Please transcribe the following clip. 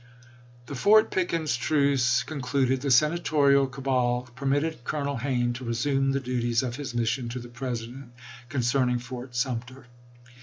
The Fort Pickens truce concluded, the Senatorial cabal permitted Colonel Hayne to resume the duties of his mission to the President concerning Fort Sumter.